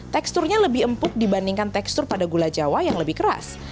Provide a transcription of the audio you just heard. teksturnya lebih empuk dibandingkan tekstur pada gula jawa yang lebih keras